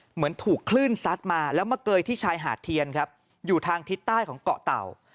เหมือนถูกคลื่นซัดมาแล้วมาเกยที่ชายหาดเทียนครับอยู่ทางทิศใต้ของเกาะเต่า